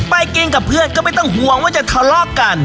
ไปกินกับเพื่อนก็ไม่ต้องห่วงว่าจะทะเลาะกัน